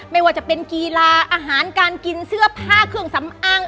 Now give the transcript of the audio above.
ไม่ว่าจะเป็นกีฬาอาหารการกินเสื้อผ้าเครื่องสำอาง